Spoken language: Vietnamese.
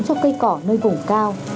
cho cây cỏ nơi vùng cao